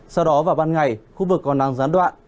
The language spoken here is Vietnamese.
sau đó vào ban ngày khu vực còn nắng gián đoạn